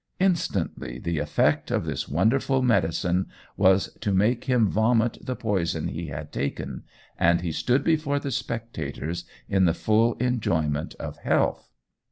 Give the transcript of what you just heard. Instantly, the effect of this wonderful medicine was to make him vomit the poison he had taken, and he stood before the spectators in the full enjoyment of health.